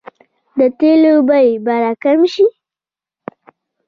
د تیلو بیې به راکمې شي؟